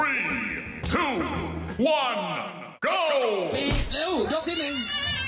เร็วเร็วยกที่หนึ่ง